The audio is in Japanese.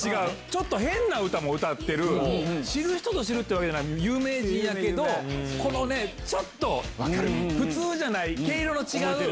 ちょっと変な歌も歌ってる知る人ぞ知るってわけじゃない有名人やけどちょっと普通じゃない。